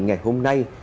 ngày hôm nay